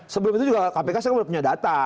sebelum itu juga kpk saya sudah punya data